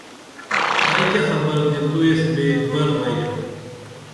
ائی کیہ خبر تے تو ایس بے اتبر بئتُھوپ